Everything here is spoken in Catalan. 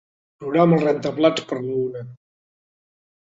Programa el rentaplats per a la una.